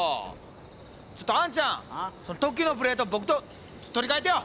ちょっとあんちゃんその特急のプレート僕と取り替えてよ。